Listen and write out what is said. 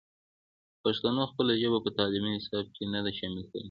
پښتنو خپله ژبه په تعلیمي نصاب کې نه ده شامل کړې.